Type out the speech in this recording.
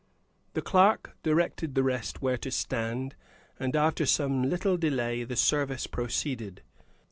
The clerk directed the rest where to stand, and, after some little delay, the service proceeded.